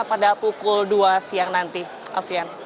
juga pada pukul dua siang nanti afian